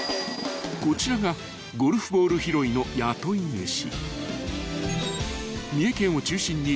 ［こちらがゴルフボール拾いの雇い主］